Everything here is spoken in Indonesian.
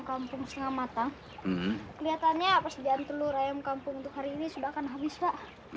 kampung setengah matang kelihatannya persediaan telur ayam kampung untuk hari ini sudah akan habis pak